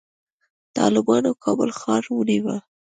طالبانو کابل ښار ونیو